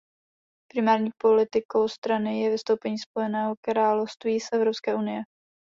Primární politikou strany je vystoupení Spojeného království z Evropské unie.